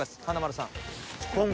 華丸さん。